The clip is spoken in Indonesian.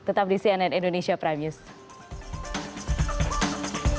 tetap di cnn indonesia prime news